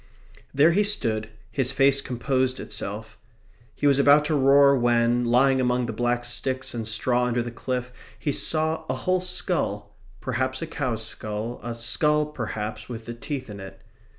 There he stood. His face composed itself. He was about to roar when, lying among the black sticks and straw under the cliff, he saw a whole skull perhaps a cow's skull, a skull, perhaps, with the teeth in it.